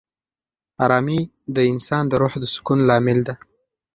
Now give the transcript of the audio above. آرامي د انسان د روح د سکون لامل ده.